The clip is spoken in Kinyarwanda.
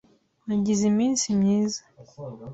Nagize iminsi myiza.